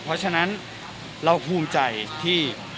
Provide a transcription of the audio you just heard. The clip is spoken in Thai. เพราะฉะนั้นเราภูมิใจที่